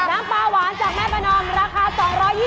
น้ำปลาหวานจากแม่ประนอมราคา๒๒๐